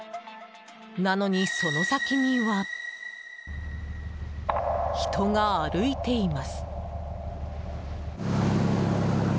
なのに、その先には。人が歩いています。